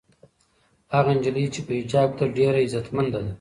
هغه نجلۍ چې په حجاب کې ده ډېره عزتمنده ده.